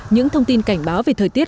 những thông tin cảnh báo về thời tiết